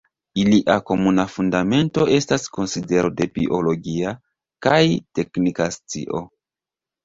Ilia komuna fundamento estas konsidero de biologia kaj teknika scio.